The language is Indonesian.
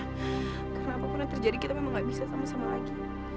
karena apapun yang terjadi kita memang gak bisa sama sama lagi